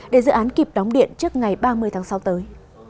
để dự án kịp đóng điện trước ngày ba mươi tháng sáu tới